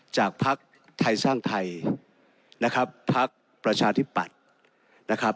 จากพักธรรมชาติสร้างไทยนะครับพักประชาธิปัตธ์นะครับ